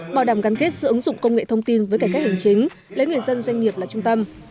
bảo đảm gắn kết sự ứng dụng công nghệ thông tin với cải cách hành chính lấy người dân doanh nghiệp là trung tâm